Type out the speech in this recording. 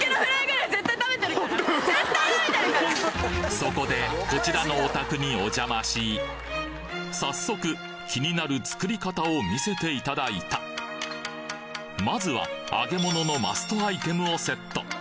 そこでこちらのお宅にお邪魔し早速気になる作り方を見せていただいたまずは揚げ物のマストアイテムをセット。